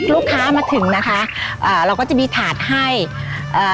ลูกค้ามาถึงนะคะอ่าเราก็จะมีถาดให้เอ่อ